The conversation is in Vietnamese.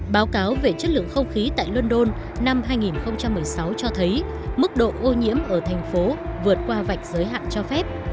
báo cáo về chất lượng không khí tại london năm hai nghìn một mươi sáu cho thấy mức độ ô nhiễm ở thành phố vượt qua vạch giới hạn cho phép